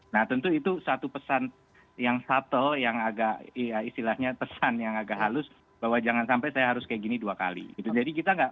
nah tentu itu satu pesan yang subtle yang agak istilahnya pesan yang agak halus bahwa jangan sampai saya harus kayak gini dua kali